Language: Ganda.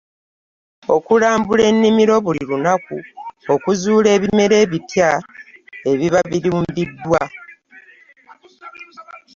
Okulambula ennimiro buli lunaku okuzuula ebimera ebipya ebiba birumbiddwa.